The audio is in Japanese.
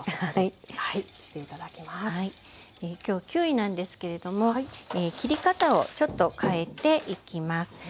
今日キウイなんですけれども切り方をちょっと変えていきます。